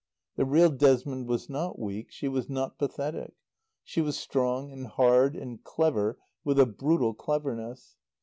The real Desmond was not weak, she was not pathetic. She was strong and hard and clever with a brutal cleverness.